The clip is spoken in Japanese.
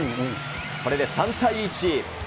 これで３対１。